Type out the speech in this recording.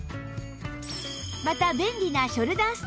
また便利なショルダーストラップ付き